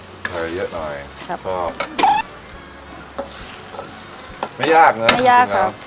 เคยเยอะหน่อยครับก็ไม่ยากเลยไม่ยากครับ